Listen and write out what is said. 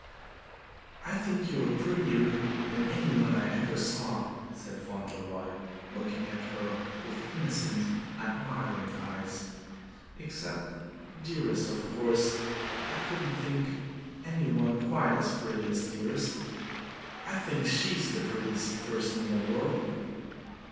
"I think you are prettier than any one I ever saw," said Fauntleroy, looking at her with innocent, admiring eyes, "except Dearest. Of course, I couldn't think any one QUITE as pretty as Dearest. I think she is the prettiest person in the world."